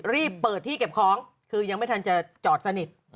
รีบเปิดที่เก็บของคือยังไม่ทันจะจอดสนิท